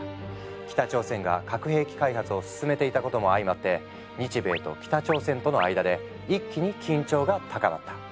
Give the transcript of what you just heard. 北朝鮮が核兵器開発を進めていたことも相まって日米と北朝鮮との間で一気に緊張が高まった。